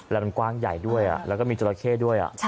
แล้วมันกว้างใหญ่ด้วยแล้วก็มีจราเข้ด้วย